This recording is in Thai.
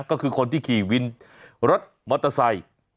ก็คือคนที่ขี่วินรถมอเตอร์ไซค์